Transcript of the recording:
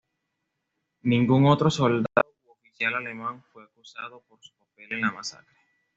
Ningún otro soldado u oficial alemán fue acusado por su papel en la masacre.